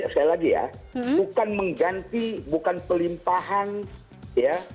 sekali lagi ya bukan mengganti bukan pelimpahan ya